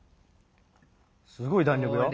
すごい弾力よ。